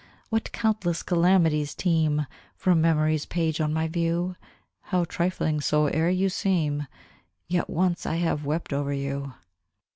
What countless calamities teem From memory's page on my view! How trifling soever you seem, Yet once I have wept over you.